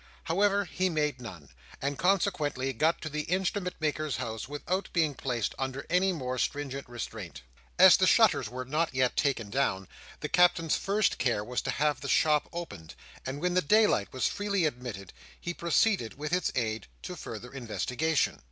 However, he made none, and consequently got to the Instrument maker's house without being placed under any more stringent restraint. As the shutters were not yet taken down, the Captain's first care was to have the shop opened; and when the daylight was freely admitted, he proceeded, with its aid, to further investigation.